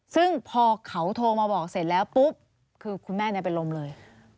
ซึ่งพอเขาโทรมาบอกเสร็จแล้วปุ๊บคือคุณแม่เป็นลมเลย